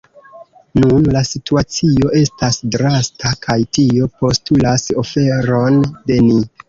Nun la situacio estas drasta, kaj tio postulas oferon de ni.